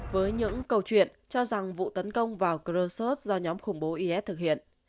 với những câu chuyện cho rằng vụ tấn công vào chrset do nhóm khủng bố is thực hiện